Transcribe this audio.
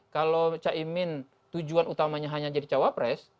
kalau caimin tujuan utamanya hanya jadi cawapres